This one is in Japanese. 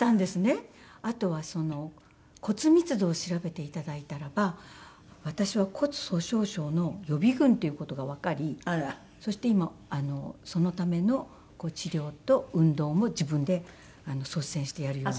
あとは骨密度を調べて頂いたらば私は骨粗鬆症の予備軍っていう事がわかりそして今そのための治療と運動も自分で率先してやるように。